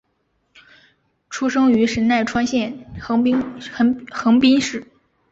出生于神奈川县横滨市。